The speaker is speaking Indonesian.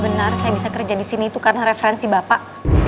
benar saya bisa kerja di sini itu karena referensi bapak